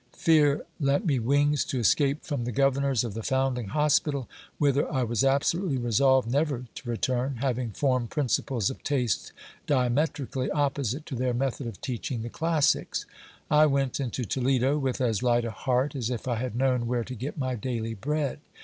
Fear lent me wings to escape from the governors of the foundling hospital, whither I was absolutely resolved never to return, having formed principles of taste diametrically opposite to their method cf teaching the classics. I went into Toledo with as light a heart as if I had known where to get my daily bread.